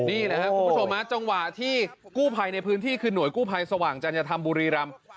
นี่แหละครับคุณผู้ชมจังหวะที่กู้ภัยในพื้นที่คือหน่วยกู้ภัยสว่างจัญธรรมบุรีรำ